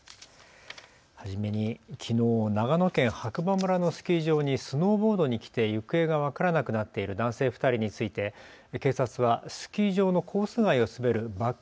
初めに、きのう長野県白馬村のスキー場にスノーボードに来て行方が分からなくなっている男性２人について警察はスキー場のコース外を滑るバック